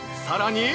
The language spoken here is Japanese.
さらに。